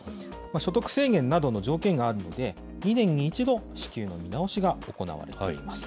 所得制限などの条件があるので、２年に１度、支給の見直しが行われています。